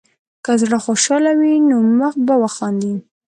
که زړه خوشحال وي، نو مخ به وخاندي.